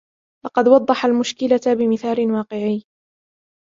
لقد وضح المشكلة بمثال واقعي